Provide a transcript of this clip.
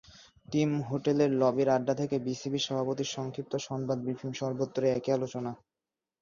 Team হোটেলের লবির আড্ডা থেকে বিসিবি সভাপতির সংক্ষিপ্ত সংবাদ ব্রিফিং—সর্বত্রই একই আলোচনা।